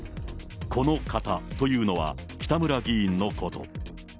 この方というのは、北村議員のこと。